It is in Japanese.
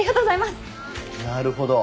なるほど。